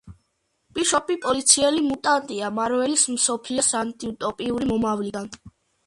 ბიშოპი პოლიციელი მუტანტია მარველის მსოფლიოს ანტიუტოპიური მომავლიდან.